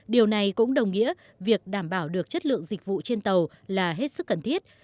điều này cũng đồng nghĩa việc đảm bảo được chất lượng dịch vụ trên tàu là hết sức cần thiết